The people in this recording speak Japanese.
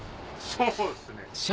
そうですね。